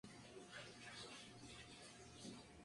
El muelle del ferry es un aparcamiento vigilado.